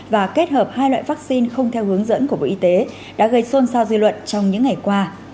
và kết hợp hai loại vaccine không theo hướng dẫn của bộ y tế đã gây xôn xao dư luận trong những ngày qua